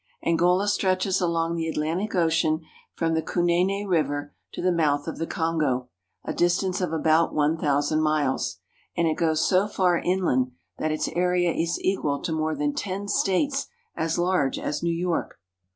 Angola stretches along the Atlantic Ocean from the Kunene River to the mouth of the Kongo, a distance of about one thousand miles, and it goes so far inland that its area is equal to more than ten States as large as New York.